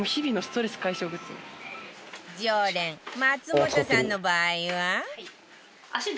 常連松本さんの場合は